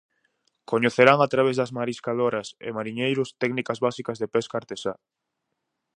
Coñecerán a través das mariscadoras e mariñeiros, técnicas básicas de pesca artesá.